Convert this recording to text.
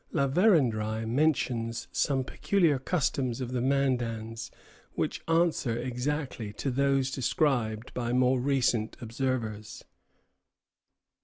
La Vérendrye mentions some peculiar customs of the Mandans which answer exactly to those described by more recent observers.